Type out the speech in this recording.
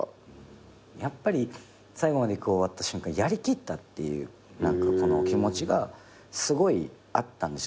やっぱり最後まで終わった瞬間やりきったっていう気持ちがすごいあったんですよ。